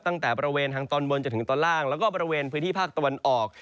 ตั้งแต่บริเวณทางตอนบนจนถึงตอนล่างแล้วก็บริเวณพื้นที่ภาคตะวันออก